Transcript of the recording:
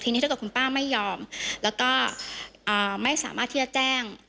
ทีนี้ถ้าเกิดคุณป้าไม่ยอมแล้วก็ไม่สามารถที่จะแจ้ง